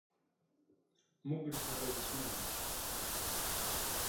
μούγκρισα απελπισμένος.